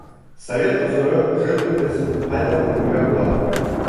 Совет осоро живописын ҡайҙа күрергә була?